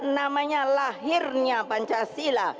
namanya lahirnya pancasila